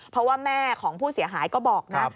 เพราะว่าแม่ของผู้เสียหายก็บอกนะ